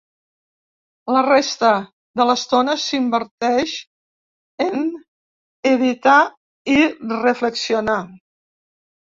La resta de l'estona s'inverteix en editar i reflexionar.